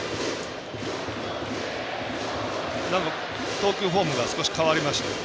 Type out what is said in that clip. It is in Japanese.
投球フォームが少し変わりました。